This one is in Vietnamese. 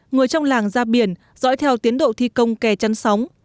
người trong làng ra biển dõi theo tiến độ thi công kè chắn sóng